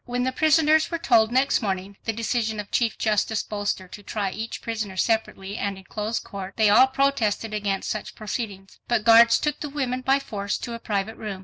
When the prisoners were told next morning the decision of Chief Justice Bolster to try each prisoner separately and in closed court, they all protested against such proceedings. But guards took the women by force to a private room.